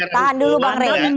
tahan dulu bang rey